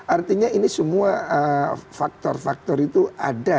artinya ini semua faktor faktor itu ada